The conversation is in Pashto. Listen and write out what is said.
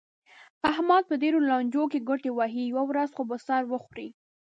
احمد په ډېرو لانجو کې ګوتې وهي، یوه ورځ خو به سر وخوري.